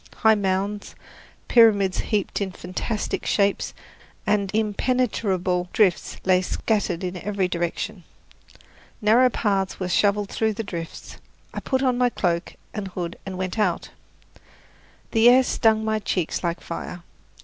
High mounds, pyramids heaped in fantastic shapes, and impenetrable drifts lay scattered in every direction. Narrow paths were shoveled through the drifts. I put on my cloak and hood and went out. The air stung my cheeks like fire.